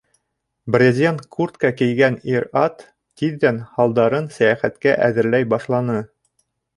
Брезент куртка кейгән ир-ат тиҙҙән һалдарын «сәйәхәт»кә әҙерләй башланы.